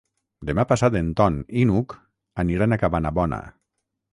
Demà passat en Ton i n'Hug aniran a Cabanabona.